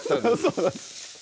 そうなんです